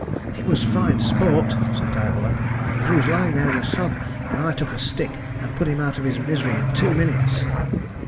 "It was fine sport," said Diavolo. "He was lying there in the sun, and I took a stick and put him out of his misery in two minutes."